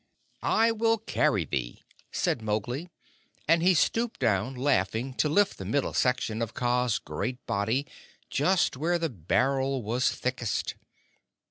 "I will carry thee," said Mowgli; and he stooped down, laughing, to lift the middle section of Kaa's great body, just where the barrel was thickest.